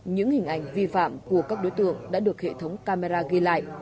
những hình ảnh vi phạm của các đối tượng đã được hệ thống camera ghi lại